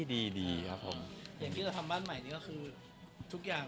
อย่างนี้นักทำบ้านใหม่นี่คือทุกอย่าง